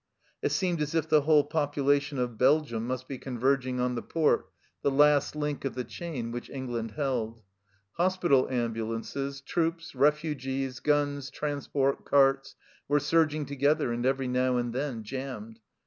It seemed as if the whole population of Belgium must 48 THE CELLAR HOUSE OF PERVYSE be converging on the port, the last link of the chain which England held. Hospital ambulances, troops, refugees, guns, transport, carts, were surg ing together and every now and then jammed.